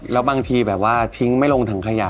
แล้วบางทีแบบว่าทิ้งไม่ลงถังขยะ